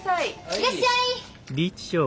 いらっしゃい。